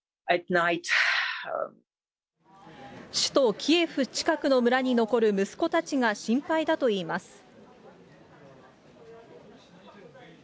首都キエフ近くの村に残る息子たちが心配だといいます。